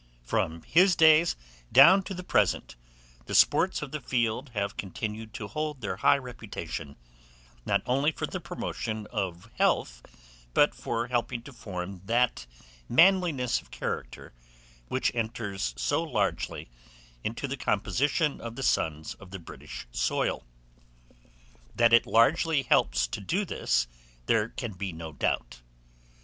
From his days down to the present, the sports of the field have continued to hold their high reputation, not only for the promotion of health, but for helping to form that manliness of character which enters so largely into the composition of the sons of the British soil. That it largely helps to do this there can be no doubt.